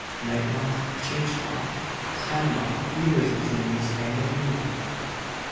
Night Moth, Change Moth, Time Moth, eaters of dreams and of me!